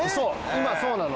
今そうなの。